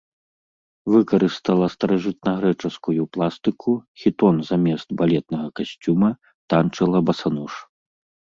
Выкарыстала старажытнагрэчаскую пластыку, хітон замест балетнага касцюма, танчыла басанож.